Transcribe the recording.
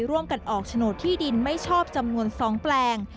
ร่วมกันออกโฉนดที่ดินไม่ชอบจำนวน๒แปลง